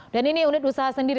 dan ini unit usaha sendiri